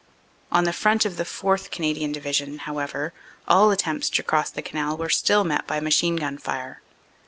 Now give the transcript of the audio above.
"On the front of the 4th. Canadian Division, however, all attempts to cross the Canal were still met by machine gun fire.